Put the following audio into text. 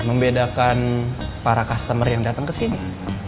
membedakan para customer yang datang ke sini